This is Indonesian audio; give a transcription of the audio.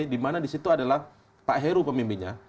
di mana di situ adalah pak heru pemimpinnya